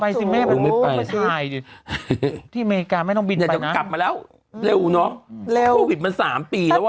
ไปสิแม่ไปถ่ายดิที่อเมริกาไม่ต้องบินไปนะเร็วเนอะโควิดมา๓ปีแล้วะ